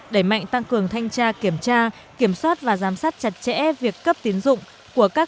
đẩy mạnh tăng cường thanh tra kiểm tra kiểm soát và giám sát chặt chẽ việc cấp tiến dụng của các